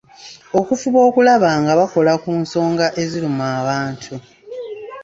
Okufuba okulaba nga bakola ku nsonga eziruma abantu.